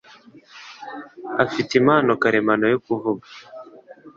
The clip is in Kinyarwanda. Afite impano karemano yo kuvuga.